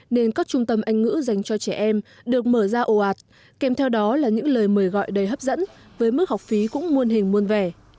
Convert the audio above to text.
nên các trung tâm anh ngữ dành cho trẻ em được mở ra ồ ạt kèm theo đó là những lời mời gọi đầy hấp dẫn với mức học phí cũng muôn hình muôn vẻ